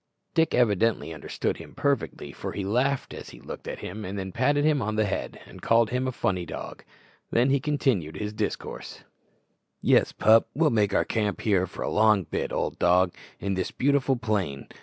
Dick evidently understood him perfectly, for he laughed as he looked at him and patted him on the head, and called him a "funny dog." Then he continued his discourse: "Yes, pup, we'll make our camp here for a long bit, old dog, in this beautiful plain.